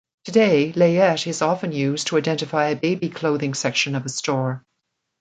Today "layette" is often used to identify a baby clothing section of a store.